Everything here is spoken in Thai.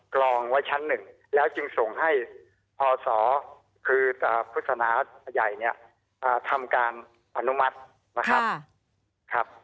รองไว้ชั้นหนึ่งแล้วจึงส่งให้พศคือพฤศนาใหญ่เนี่ยทำการอนุมัตินะครับ